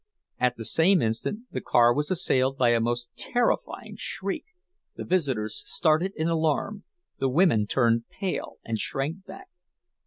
At the same instant the car was assailed by a most terrifying shriek; the visitors started in alarm, the women turned pale and shrank back.